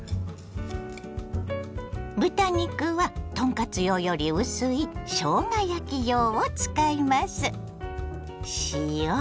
豚肉は豚カツ用より薄いしょうが焼き用を使います。